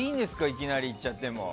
いきなりいっちゃっても。